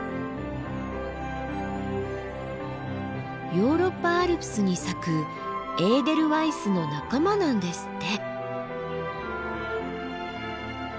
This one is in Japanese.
ヨーロッパアルプスに咲くエーデルワイスの仲間なんですって。